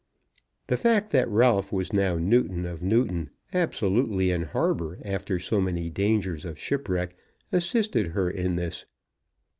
The fact that Ralph was now Newton of Newton, absolutely in harbour after so many dangers of shipwreck, assisted her in this.